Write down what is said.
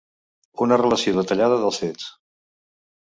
Una relació detallada dels fets.